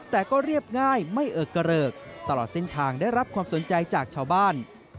แต่ก็เรียบง่ายไม่เอิกกระเริกตลอดเส้นทางได้รับความสนใจจากชาวบ้าน